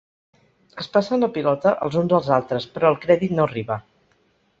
Es passen la pilota els uns als altres però el crèdit no arriba.